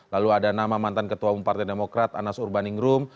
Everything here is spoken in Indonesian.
lalu ada nama mantan ketua umpati demokrat anas urbaningrum